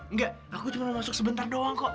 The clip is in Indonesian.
nggak aku cuma mau masuk sebentar doang kok